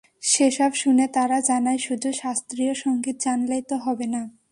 সেসব শুনে তারা জানায়, শুধু শাস্ত্রীয় সংগীত জানলেই তো হবে না।